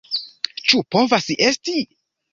Ĉu povas esti?